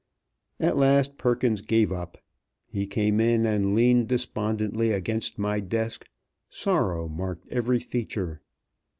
At last Perkins gave up. He came in, and leaned despondently against my desk. Sorrow marked every feature.